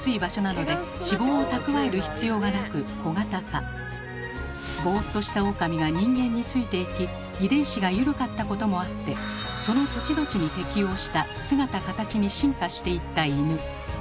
暑い場所なのでボーっとしたオオカミが人間について行き遺伝子が緩かったこともあってその土地土地に適応した姿・形に進化していったイヌ。